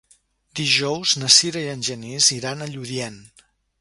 Dijous na Sira i en Genís iran a Lludient.